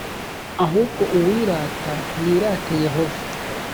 ahubwo uwirata niyirate yehova.